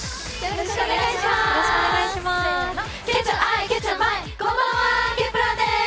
よろしくお願いします！